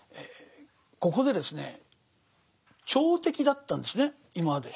ここでですね朝敵だったんですね今まで。